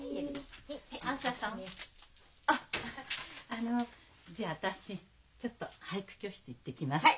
あのじゃあ私ちょっと俳句教室行ってきますね。